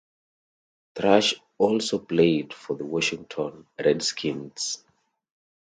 Thrash also played for the Washington Redskins.